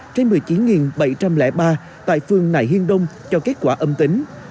một mươi chín sáu trăm chín mươi ba trên một mươi chín bảy trăm linh ba tại phường nại hiên đông cho kết quả âm tính